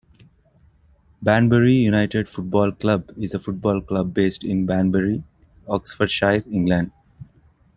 Banbury United Football Club is a football club based in Banbury, Oxfordshire, England.